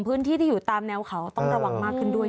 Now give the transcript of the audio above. พื้นที่ที่อยู่ตามแนวเขาต้องระวังมากขึ้นด้วย